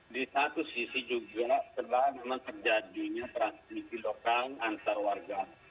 di satu sisi juga telah memang terjadinya transmisi lokal antar warga